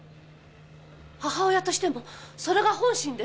母親としてもそれが本心です！